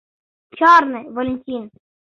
Чарне, Валентин!